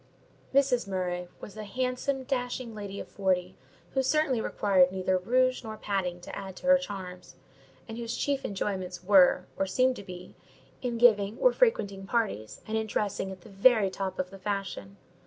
Mrs. Murray was a handsome, dashing lady of forty, who certainly required neither rouge nor padding to add to her charms; and whose chief enjoyments were, or seemed to be, in giving or frequenting parties, and in dressing at the very top of the fashion.